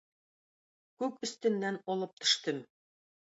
Күк өстеннән алып төштем.